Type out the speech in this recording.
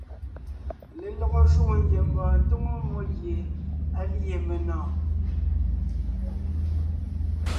Lelɔgɔ shwòŋo ngiembɔɔn tóŋo mmó gie á lîe menɔ̀ɔn.